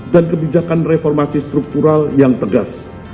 dan kebijakan reformasi struktural yang tegas